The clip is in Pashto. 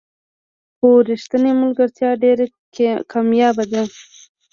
خو رښتینې ملګرتیا ډېره کمیابه ده.